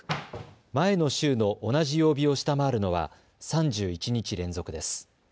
前の週の同じ曜日を下回るのは３１日連続です。